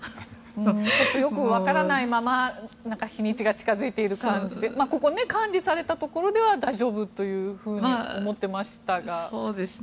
ちょっとよくわからないまま日にちが近付いている感じでここ、管理されたところでは大丈夫というふうに思ってましたが。